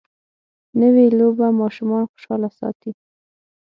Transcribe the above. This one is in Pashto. نوې لوبه ماشومان خوشحاله ساتي